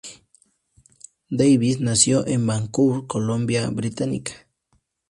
Davis nació en Vancouver, Columbia Británica.